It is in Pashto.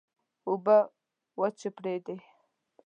اوبه وچړپېدې.